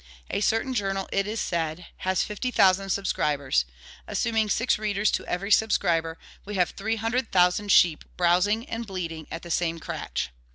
A certain journal, it is said, has fifty thousand subscribers; assuming six readers to every subscriber, we have three hundred thousand sheep browsing and bleating at the same cratch.